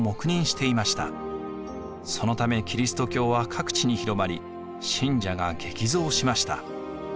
そのためキリスト教は各地に広まり信者が激増しました。